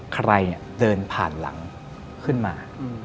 ใครเดินผ่านหลังขึ้นมา